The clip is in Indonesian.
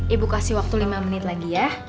ibu kasih waktu lima menit lagi ya